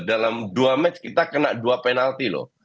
dalam dua match kita kena dua penalti loh